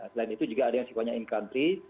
selain itu juga ada yang sifatnya in country